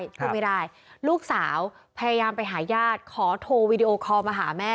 พูดไม่ได้ลูกสาวพยายามไปหาญาติขอโทรวีดีโอคอลมาหาแม่